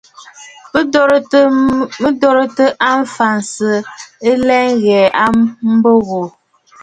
Mə̀ dòrɨ̀tə a mfiʼisə̂ ɨ̀lɛ̀ɛ̂ gha a mbo wò.